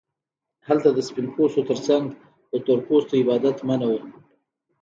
هلته د سپین پوستو ترڅنګ د تور پوستو عبادت منع و.